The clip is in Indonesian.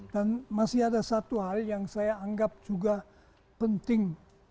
dan masih ada satu hal yang saya anggap juga penting